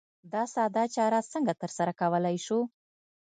دا ساده چاره څرنګه ترسره کولای شو؟